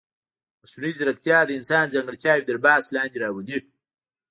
مصنوعي ځیرکتیا د انسان ځانګړتیاوې تر بحث لاندې راولي.